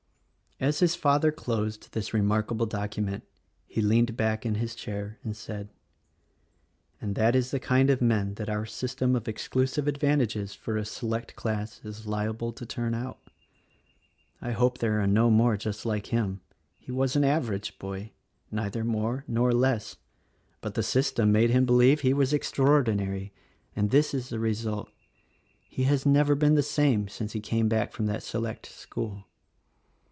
As his father closed this remarkable document he leaned back in his chair and said, "And that is the kind of men that our system of exclusive advantages for a select class is liable to turn out. I hope there are no more just like him. He was an average boy — neither more nor less ;— but the system made him believe that he was extra THE RECORDING ANGEL 105 ordinary: and this is the result. He has never been the same since he came back from that select school.